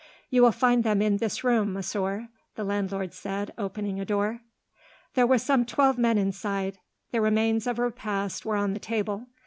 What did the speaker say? "You will find them in this room, monsieur," the landlord said, opening a door. There were some twelve men inside. The remains of a repast were on the table.